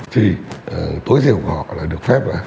thì tối giới của họ được phép